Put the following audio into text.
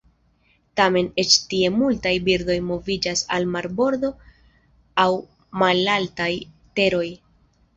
Tamen eĉ tie multaj birdoj moviĝas al marbordo aŭ malaltaj teroj vintre.